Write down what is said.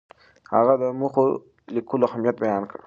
هغه د موخو لیکلو اهمیت بیان کړ.